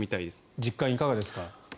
実感はいかがですか。